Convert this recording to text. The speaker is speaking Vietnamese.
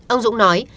ông dũng nói